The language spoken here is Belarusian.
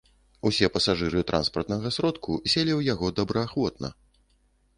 Усе пасажыры транспартнага сродку селі ў яго добраахвотна.